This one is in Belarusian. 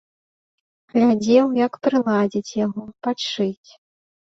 Глядзеў, як прыладзіць яго, падшыць.